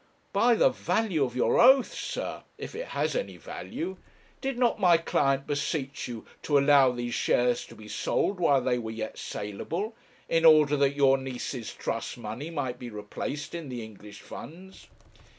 'By the value of your oath, sir if it has any value did not my client beseech you to allow these shares to be sold while they were yet saleable, in order that your niece's trust money might be replaced in the English funds?'